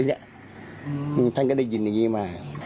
นี่ท่านก็ได้ยินอย่างนี้มา